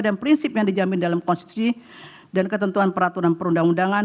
dan prinsip yang dijamin dalam konstitusi dan ketentuan peraturan perundang undangan